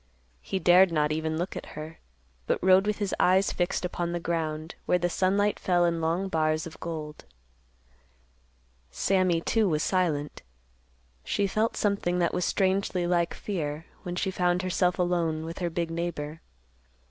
He dared not even look at her, but rode with his eyes fixed upon the ground, where the sunlight fell in long bars of gold. Sammy, too, was silent. She felt something that was strangely like fear, when she found herself alone with her big neighbor.